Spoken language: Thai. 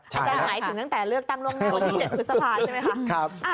จะหายถึงตั้งแต่เลือกตั้งร่วงแนวที่๗คุณสภาพใช่ไหมคะ